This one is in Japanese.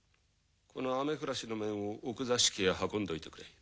この雨降らしの面を奥座敷へ運んでおいてくれ。